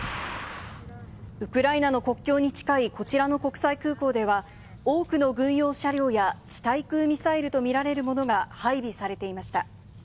ウクライナの国境に近い、こちらの国際空港では、多くの軍用車両や地対空ミサイルと見られるものが配備されていました。